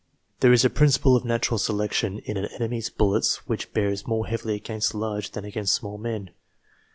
There is a principle of natural selection in an enemy's bullets which bears more heavily against large than against small men.